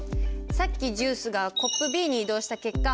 さっきジュースがコップＢに移動した結果